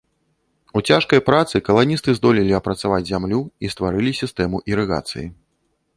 У цяжкай працы каланісты здолелі апрацаваць зямлю і стварылі сістэму ірыгацыі.